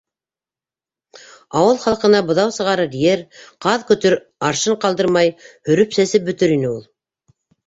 Ауыл халҡына быҙау сығарыр ер, ҡаҙ көтөр аршын ҡалдырмай һөрөп-сәсеп бөтөр ине ул!